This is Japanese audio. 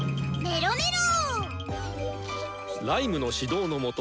メロメロ！